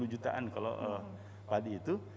dua puluh jutaan kalau tadi itu